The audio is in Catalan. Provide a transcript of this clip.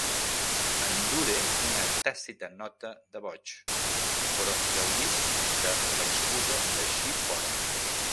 Endure una tàcita nota de boig, però gaudisc de l'excusa d'eixir fora.